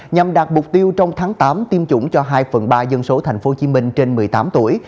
nhằm đạt mục tiêu trong tháng tám tiêm chủng cho hai phần ba dân số thành phố hồ chí minh trên một mươi tám tuổi